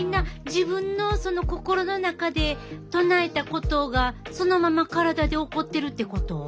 自分のその心の中で唱えたことがそのまま体で起こってるってこと？